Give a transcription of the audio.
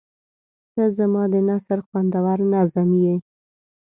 • ته زما د نثر خوندور نظم یې.